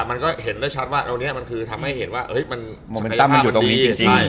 มันก็เห็นได้ชัดว่าแล้ววันนี้มันคือทำให้เห็นว่าสักยภาพมันดี